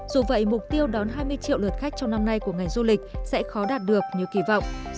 dù vậy mục tiêu đón hai mươi triệu lượt khách trong năm nay của ngành du lịch sẽ khó đạt được như kỳ vọng